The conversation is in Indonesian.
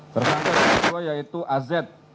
bersangkutan kedua yaitu az